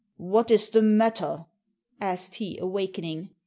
"What is the matter?" asked he, awakening.